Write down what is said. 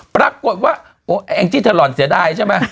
ปรากฏว่าโอ๊ะเอ็งจิธรรณเสียดายใช่มั้ย